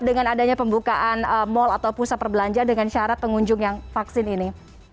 dengan adanya pembukaan mal atau pusat perbelanjaan dengan syarat pengunjung yang vaksin ini